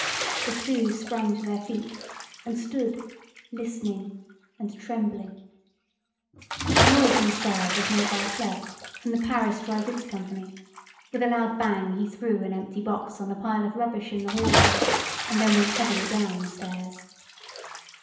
The two sprang to their feet and stood listening and trembling. The noise on the stairs was made by a clerk from the Paris Dry Goods Company. With a loud bang he threw an empty box on the pile of rubbish in the hallway and then went heavily down the stairs.